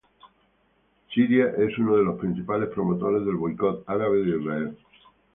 Siria es uno de los principales promotores del boicot árabe de Israel.